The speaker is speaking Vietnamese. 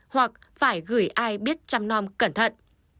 hoặc phải gửi ai biết chăm non cẩn thận